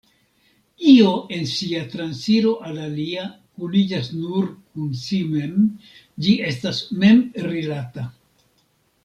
Io en sia transiro al alia kuniĝas nur kun si mem, ĝi estas mem-rilata.